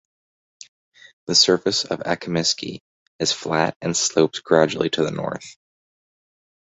The surface of Akimiski is flat and slopes gradually to the north.